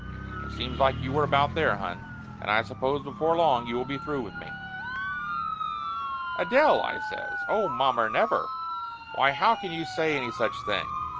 It looks like you were about there, hon, and I suppose before long you will be through with me!" "Adele!" I says. "Oh, mommer, never! Why how can you say any such thing?